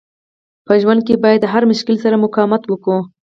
په ژوند کښي باید د هر مشکل سره مقاومت وکو.